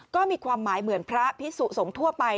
ก็มีความหมายเหมือนพระพิสุสงฆ์ทั่วไป